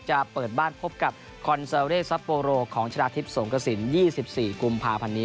จะเปิดบ้านพบกับคอนเซลเลสปอโลของชาติธิปสงกสินยี่สิบสี่กุมภาพันธ์นี้